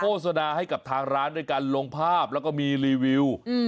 โฆษณาให้กับทางร้านด้วยการลงภาพแล้วก็มีรีวิว